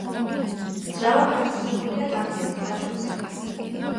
ძრავა განთავსებულია ტანკის კიჩოზე.